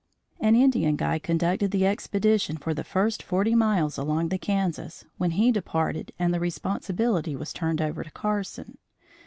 An Indian guide conducted the expedition for the first forty miles along the Kansas, when he departed and the responsibility was turned over to Carson.